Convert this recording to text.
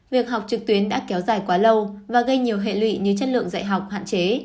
việc học trực tuyến đã kéo dài quá lâu và gây nhiều hệ lụy như chất lượng dạy học hạn chế